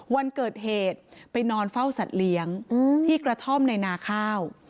วันเกิดเหตุไปนอนเฝ้าสัตว์เลี้ยงที่กระท่อมในนาข้าว